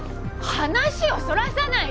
話をそらさないで！